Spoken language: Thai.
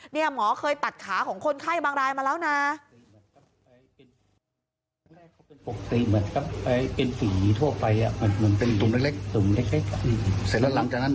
หมอเคยตัดขาของคนไข้บางรายมาแล้วนะ